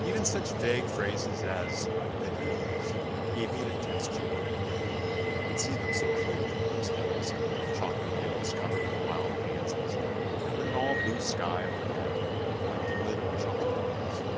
Even such vague phrases as " the hills " gave me an intense joy. I could see them so clearly, those hills, chalky hills covered with wild pansies, and with an all blue sky overhead, like the lid of a choco late box.